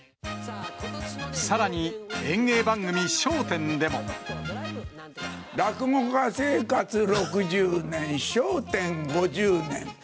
さらに、演芸番組、落語家生活６０年、笑点５０年。